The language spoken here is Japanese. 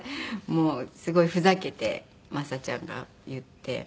すごいふざけて雅ちゃんが言って。